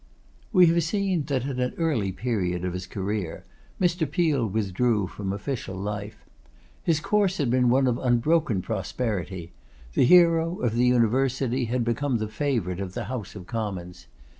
We have seen that at an early period of his career, Mr. Peel withdrew from official life. His course had been one of unbroken prosperity; the hero of the University had become the favourite of the House of Commons.